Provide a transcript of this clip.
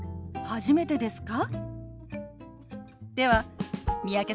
初めてですか？